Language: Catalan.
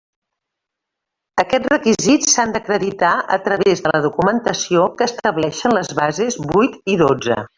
Aquests requisits s'han d'acreditar a través de la documentació que estableixen les bases vuit i dotze.